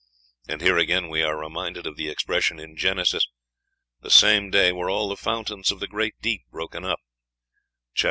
And here, again, we are reminded of the expression in Genesis, "the same day were all the fountains of the great deep broken up" (chap.